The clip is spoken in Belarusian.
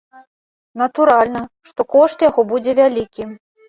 Натуральна, што кошт яго будзе вялікі.